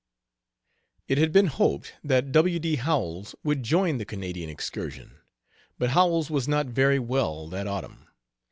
It had been hoped that W. D. Howells would join the Canadian excursion, but Howells was not very well that autumn.